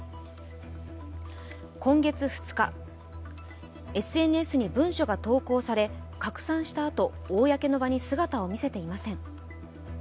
今月２日、ＳＮＳに文書が投稿され拡散したあと公の場に姿を見せていません。